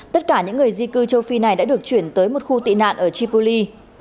tất cả những người di cư châu phi này đã được chuyển tới một khu tị nạn ở tripoli